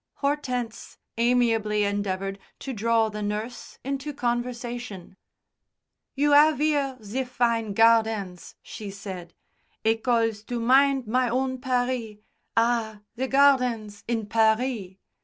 Hortense amiably endeavoured to draw the nurse into conversation. "You 'ave 'ere ze fine gardens," she said. "It calls to mind my own Paris. Ah, the gardens in Paris!"